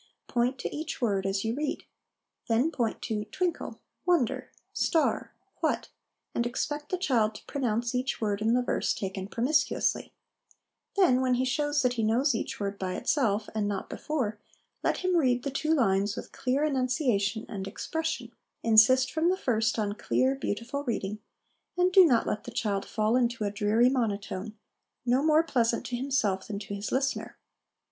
Point to each word as you read. Then point to ' twinkle,' ' wonder/ ' star/ ' what/ and expect the child to pronounce each word in the verse taken promiscuously ; then, when he shows that he knows each word by itself, and not before, let him read the two lines with clear enunciation and expression : insist from the first on clear, beautiful reading, and do not let the child fall into a dreary monotone, no more pleasant to himself than 'to his listener.